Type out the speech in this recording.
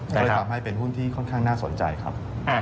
ก็เลยทำให้เป็นหุ้นที่ค่อนข้างน่าสนใจครับ